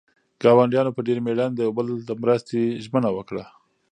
ګاونډیانو په ډېرې مېړانې د یو بل د مرستې ژمنه وکړه.